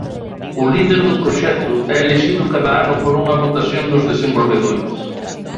O Líder do Proxecto é elixido cada ano por unha votación dos Desenvolvedores.